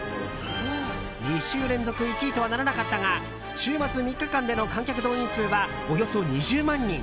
２週連続１位とはならなかったが週末３日間での観客動員数はおよそ２０万人。